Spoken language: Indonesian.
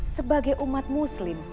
sebagai umat muslim